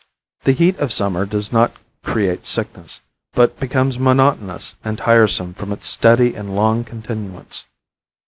The heat of summer does not create sickness, but becomes monotonous and tiresome from its steady and long continuance.